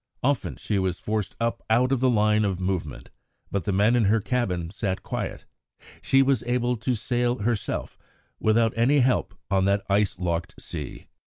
Often she was forced up out of the line of movement, but the men in her cabin sat quiet; she was able to "sail herself" without any help on that ice locked sea.